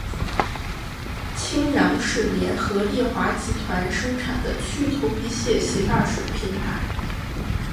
清扬是联合利华集团生产的去头皮屑洗发水品牌。